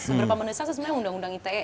seberapa mendesak sebenarnya undang undang ite